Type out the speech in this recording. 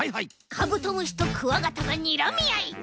カブトムシとクワガタがにらみあい！